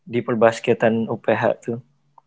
di perbasketan uph tuh